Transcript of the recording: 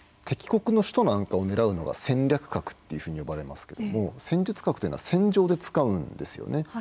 敵国の首都なんかを狙うのは戦略核っていうふうに呼ばれますけれども戦術核というのは戦場で使うんですよね。